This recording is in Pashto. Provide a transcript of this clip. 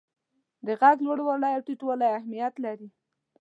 د ږغ لوړوالی او ټیټوالی اهمیت لري.